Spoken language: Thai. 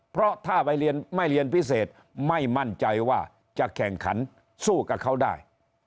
เพราะถ้าไปเรียนไม่เรียนพิเศษไม่มั่นใจว่าจะแข่งขันสู้กับเขาได้